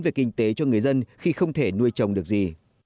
về kinh tế cho người dân khi không thể nuôi trồng được gì